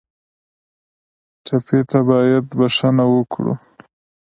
ټپي ته باید بښنه ورکړو.